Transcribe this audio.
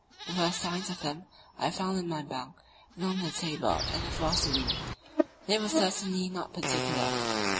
The first signs of them I found in my bunk and on the table in the fore saloon; they were certainly not particular.